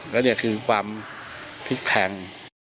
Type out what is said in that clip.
แล้วนี่คือความพลิกแพง